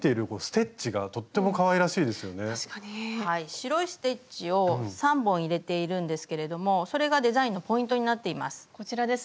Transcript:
白いステッチを３本入れているんですけれどもそれがデザインのポイントになっています。